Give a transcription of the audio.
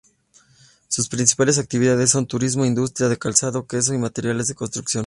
Sus principales actividades son: turismo, industria del calzado, queso y materiales de construcción.